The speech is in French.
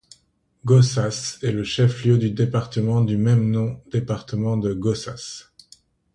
Gossas est le chef-lieu du département du même nom département de Gossas.